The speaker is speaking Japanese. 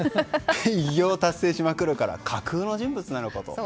偉業達成しまくるから架空の人物かと。